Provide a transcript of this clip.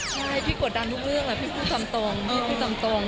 ใช่พี่กดดันทุกเรื่องพี่พูดจำตรง